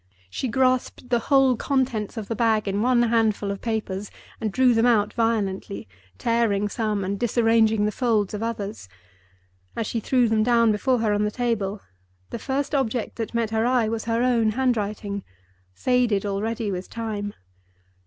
She grasped the whole contents of the bag in one handful of papers, and drew them out violently, tearing some and disarranging the folds of others. As she threw them down before her on the table, the first object that met her eye was her own handwriting, faded already with time.